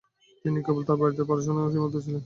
তিনি কেবল তার বাড়িতে পড়াশোনার মধ্যেই সীমাবদ্ধ ছিলেন।